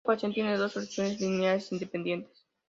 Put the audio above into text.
Esta ecuación tiene dos soluciones linealmente independientes.